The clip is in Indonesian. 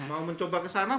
mau mencoba ke sana